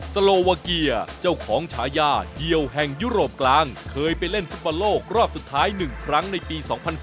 โลวาเกียร์เจ้าของฉายาเยี่ยวแห่งยุโรปกลางเคยไปเล่นฟุตบอลโลกรอบสุดท้าย๑ครั้งในปี๒๐๑๘